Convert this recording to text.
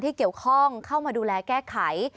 ที่เกี่ยวข้องเข้ามาดูแลแก้ไข